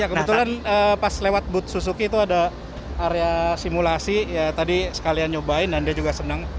ya kebetulan pas lewat but suzuki itu ada area simulasi ya tadi sekalian nyobain dan dia juga senang